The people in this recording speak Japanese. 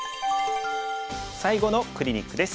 最後のクリニックです。